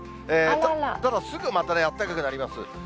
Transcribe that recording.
ただ、すぐまたあったかくなります。